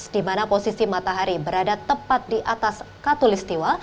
di mana posisi matahari berada tepat di atas katolistiwa